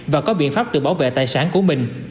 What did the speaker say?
và có biện pháp tự bảo vệ tài sản của mình